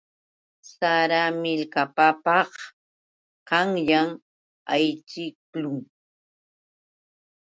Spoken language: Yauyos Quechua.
Sarata millkapapaq qanyan ayćhiqlun.